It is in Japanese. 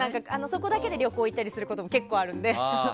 そこだけで旅行に行くことも結構あるんで。